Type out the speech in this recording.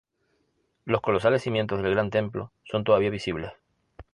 Los colosales cimientos del gran templo son todavía visibles.